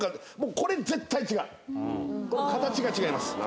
これ形が違います。